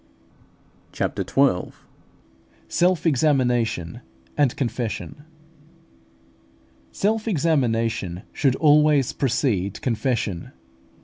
CHAPTER XII. SELF EXAMINATION AND CONFESSION. Self examination should always precede confession.